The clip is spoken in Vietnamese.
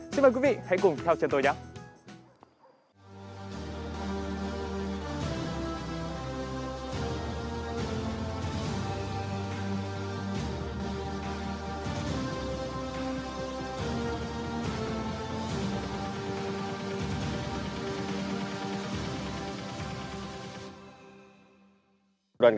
xin mời quý vị hãy cùng theo chân tôi nhé